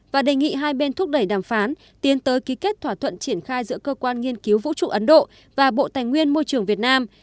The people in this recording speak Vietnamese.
và đề nghị hai bên thúc đẩy đàm phán tiến tới ký kết thỏa thuận triển khai giữa cơ quan nghiên cứu vũ trụ ấn độ và bộ tài nguyên môi trường việt nam